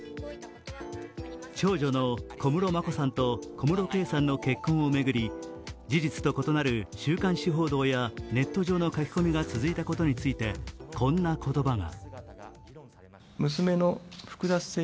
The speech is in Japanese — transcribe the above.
長女の小室眞子さんと小室圭さんの結婚を巡り、事実と異なる週刊誌報道やネット上の書き込みが続いたことについてこんな言葉が。